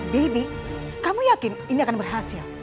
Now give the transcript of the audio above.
baby kamu yakin ini akan berhasil